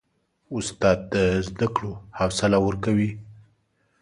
استاد د زده کړو حوصله ورکوي.